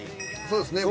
そうですね